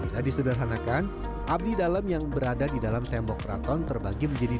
biar disederhanakan abdi dalam yang berada di dalam tembok raton terbagi menjadi tiga